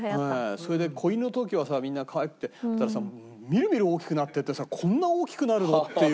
それで子犬の時はさみんなかわいくてたださみるみる大きくなっていってさこんな大きくなるの？っていうぐらい。